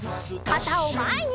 かたをまえに！